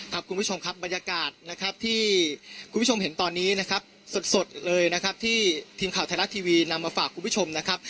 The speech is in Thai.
คุณผู้ชมครับบรรยากาศนะครับที่คุณผู้ชมเห็นตอนนี้นะครับสดเลยนะครับที่ทีมข่าวไทยรัฐทีวีนำมาฝากคุณผู้ชมนะครับ